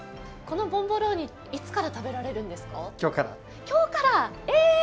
このボンボローニはいつから食べられるんですか？